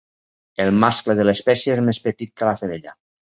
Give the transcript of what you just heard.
El mascle de l'espècie és més petit que la femella.